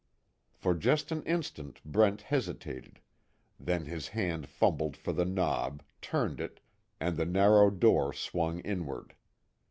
For just an instant Brent hesitated, then his hand fumbled for the knob, turned it, and the narrow door swung inward.